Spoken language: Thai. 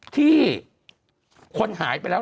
ที่คนหายไปแล้ว